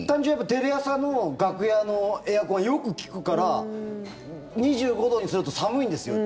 テレ朝の楽屋のエアコンよく利くから２５度にすると寒いんですよ。